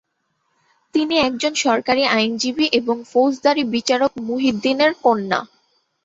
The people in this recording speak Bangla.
তিনি একজন সরকারি আইনজীবী এবং ফৌজদারি বিচারক মুহিদ্দিনের কন্যা।